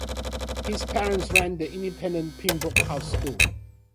His parents ran the independent Pembroke House School.